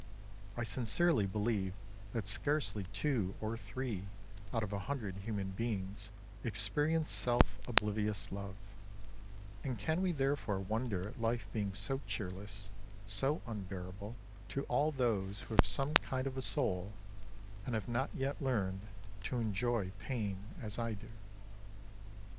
I sincerely believe that scarcely two or three out of a hundred human beings exper ience self oblivious love, and can we therefore wonder at life being so cheerless, so unbearable to all those who have some kind of a soul, and have not yet learned to enjoy pain as I do.